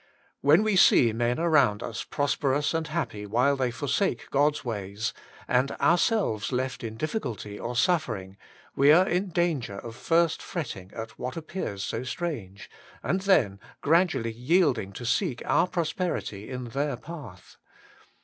When we see men around us prosperous and happy while they forsake God's ways, and ourselves left in difficulty or sufi'ering, we are in danger of first fretting at what appears so strange, and then gradually yielding to seek oui prosperity in their path.